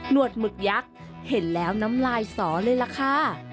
วดหมึกยักษ์เห็นแล้วน้ำลายสอเลยล่ะค่ะ